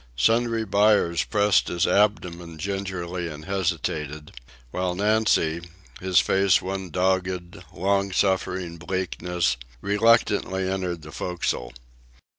Sundry Buyers pressed his abdomen gingerly and hesitated, while Nancy, his face one dogged, long suffering bleakness, reluctantly entered the forecastle.